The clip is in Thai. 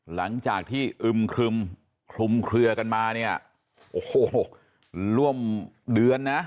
หลังจากที่อึมครึมคลุมเคลือกันมาเนี่ยโอ้โหร่วมเดือนนะ